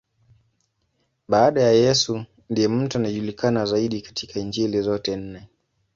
Baada ya Yesu, ndiye mtu anayejulikana zaidi katika Injili zote nne.